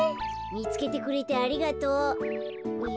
みつけてくれてありがとう。